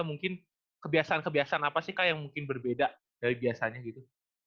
mungkin kebiasaan kebiasaan apa sih kak yang mungkin berbeda dari biasanya gitu